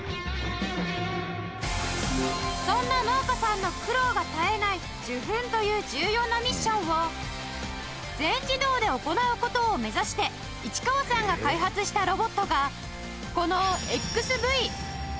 そんな農家さんの苦労が絶えない受粉という重要なミッションを全自動で行う事を目指して市川さんが開発したロボットがこの ＸＶ！ＸＶ？